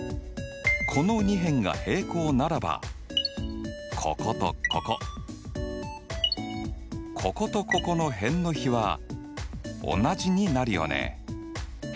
この２辺が平行ならばこことこここことここの辺の比は同じになるよね。